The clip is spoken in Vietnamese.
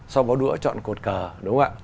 xong báo đũa chọn cột cờ đúng không ạ